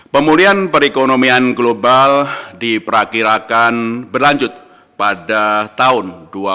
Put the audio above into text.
pemulihan perekonomian global diperkirakan berlanjut pada tahun dua ribu dua puluh